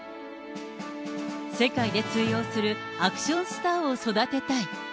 世界で通用するアクションスターを育てたい。